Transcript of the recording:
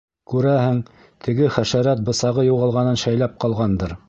Күрәһең, теге хәшәрәт бысағы юғалғанын шәйләп ҡалғандыр.